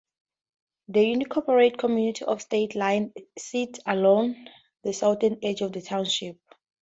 The unincorporated community of State Line sits along the southern edge of the township.